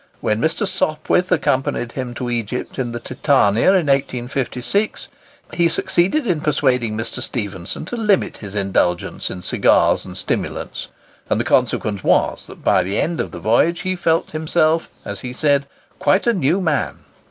When Mr. Sopwith accompanied him to Egypt in the Titania, in 1856, he succeeded in persuading Mr. Stephenson to limit his indulgence in cigars and stimulants, and the consequence was that by the end of the voyage he felt himself, as he said, "quite a new man."